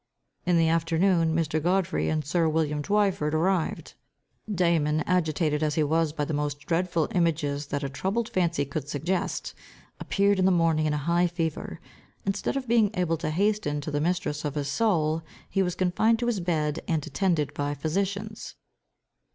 In the afternoon, Mr. Godfrey, and Sir William Twyford, arrived. Damon, agitated as he was by the most dreadful images that a troubled fancy could suggest, appeared in the morning in a high fever. Instead of being able to hasten to the mistress of his soul, he was confined to his bed, and attended by physicians.